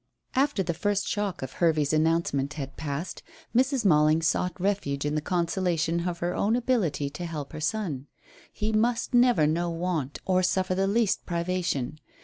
After the first shock of Hervey's announcement had passed, Mrs. Malling sought refuge in the consolation of her own ability to help her son. He must never know want, or suffer the least privation.